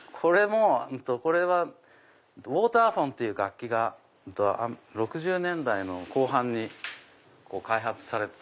これはウォーターフォンっていう楽器が６０年代の後半に開発された。